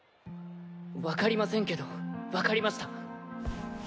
わかりませんけどわかりました。